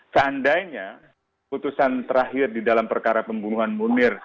seandainya putusan terakhir di dalam perkara pembunuhan munir